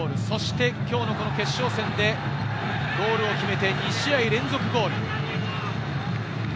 そして今日の決勝戦でゴールを決めて２試合連続ゴール。